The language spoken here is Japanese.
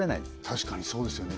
確かにそうですよね